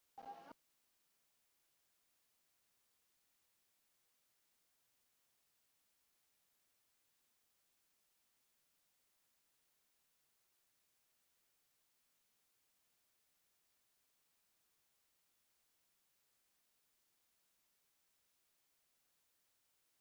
আন্তর্জাতিক ছাত্রছাত্রী এই ক্যাম্পাসে বিশেষ প্রোগ্রামে অধ্যয়নের সুযোগ পেয়ে থাকে।